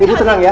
ibu tenang ya